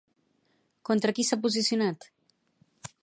Contra qui s'ha posicionat?